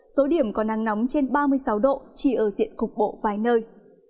số điểm có nắng nóng trên ba mươi sáu độ chỉ ở diện cục bộ vài nơi